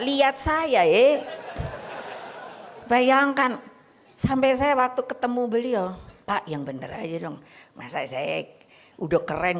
lihat saya bayangkan sampai saya waktu ketemu beliau pak yang bener aja dong masa saya udah keren